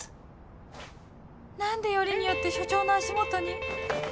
何でよりによって署長の足元に